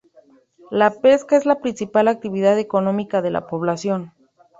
La pesca es la principal actividad económica de la población.